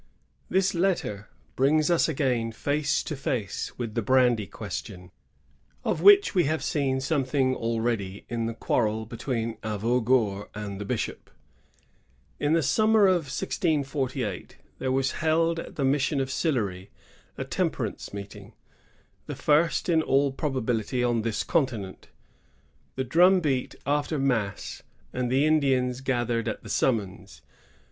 ^ This letter brings us again face to face with the brandy question, of which we have seen something already in the quarrel between Avaugour and the bishop. In the summer of 1648 there was held at the mission of Sillery a temperance meeting, — the first in all probability on this continent. The drum beat after mass, and the Indians gathered at the summons.